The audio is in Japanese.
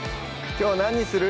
きょう何にする？